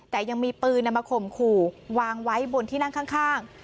แต่ยังมีปืนมาข่มขู่วางไว้บนที่นั่งข้าง